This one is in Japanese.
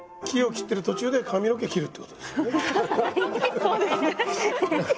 木を切ってる途中で髪の毛切るってことですよね。